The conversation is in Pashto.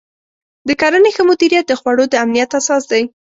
د کرنې ښه مدیریت د خوړو د امنیت اساس دی.